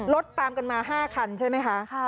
รถตามกันมาห้าคันใช่ไหมคะค่ะ